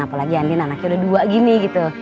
apalagi andin anaknya udah dua gini gitu